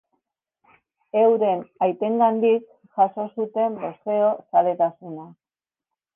Euren aitengandik jaso zuten boxeo zaletasuna.